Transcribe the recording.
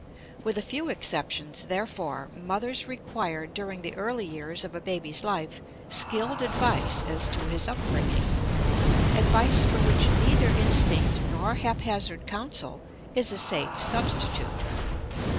With a few exceptions, therefore, mothers require during the early years of a baby's life skilled advice as to his upbringing advice for which neither instinct nor haphazard counsel is a safe substitute.